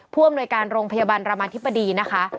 ผู้อำนวยการโรงพยาบาลรามาธิบดีนะคะ